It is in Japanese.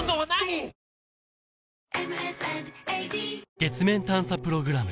月面探査プログラム